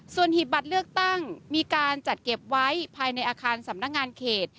ส่วนหีบบัตรเลือกตั้งมีการจัดเก็บไว้ภายในอาคารสำนักงานเขต